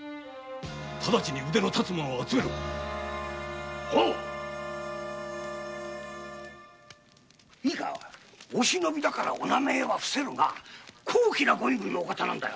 直ちに腕の立つ者を集めろいいかお忍びだからお名前は伏せるが高貴な身分のお方だ。